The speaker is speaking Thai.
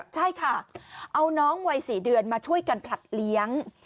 ใช่ค่ะเอาน้องวัย๔เดือนมาช่วยกันผลัดเลี้ยง